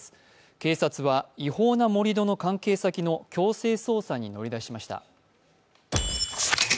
警察は違法な盛り土の関係先の強制捜査に乗り出しました。